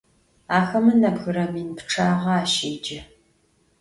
Axeme nebgıre min pççağe aşêce.